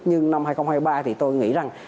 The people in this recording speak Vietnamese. nhưng năm hai nghìn hai mươi ba thì tôi nghĩ rằng